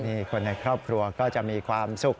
นี่คนในครอบครัวก็จะมีความสุข